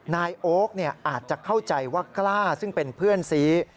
นายโอ๊คอาจจะเข้าใจว่ากล้าซึ่งเป็นเพื่อนซี